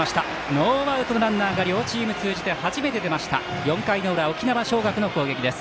ノーアウト、ランナーが両チーム通じて初めて出ました、４回の裏沖縄尚学の攻撃。